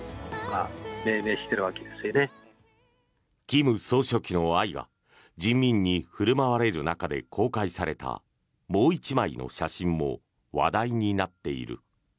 金総書記の愛が人民に振る舞われる中で公開された、もう１枚の写真も話題になっている。